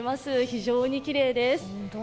非常にきれいです。